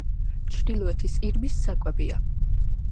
ჩრდილოეთის ირმის საკვებია.